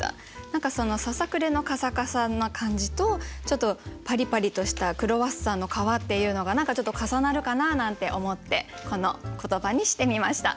何かそのささくれのカサカサな感じとちょっとパリパリとしたクロワッサンの皮っていうのが何かちょっと重なるかななんて思ってこの言葉にしてみました。